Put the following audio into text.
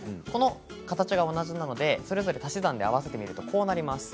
形が同じなので足し算で合わせてみると、こうなります。